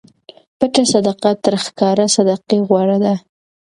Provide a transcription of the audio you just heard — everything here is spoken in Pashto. پټه صدقه تر ښکاره صدقې غوره ده.